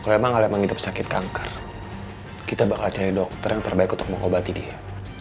kalau emang kalau emang hidup sakit kanker kita bakal cari dokter yang terbaik untuk mengobati dia